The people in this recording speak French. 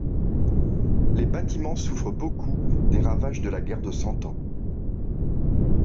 Les bâtiments souffrent beaucoup des ravages de la Guerre de Cent Ans.